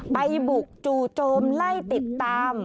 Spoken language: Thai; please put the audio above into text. ไปบุกจู่โจมไล่ติดตาม